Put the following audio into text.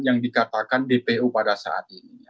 yang dikatakan dpo pada saat ini